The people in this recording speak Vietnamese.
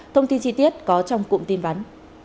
thông tin chi tiết có trong cụm tin vắn